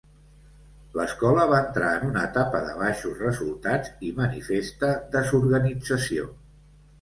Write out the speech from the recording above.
L'Escola va entrar en una etapa de baixos resultats i manifesta desorganització.